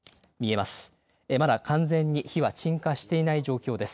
また完全に火は鎮火していない状況です。